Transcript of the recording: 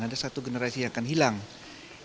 ada satu generasi yang akan mencapai bonus ini